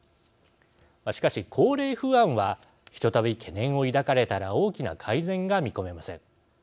しかし、高齢不安はひとたび懸念を抱かれたら大きな改善が見込めません。